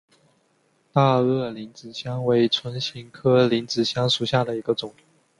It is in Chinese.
大萼铃子香为唇形科铃子香属下的一个种。